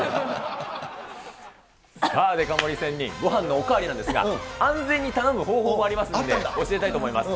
さあ、デカ盛り仙人、ごはんのお代わりなんですが、安全に頼む方法もありますんで、教えたいと思います。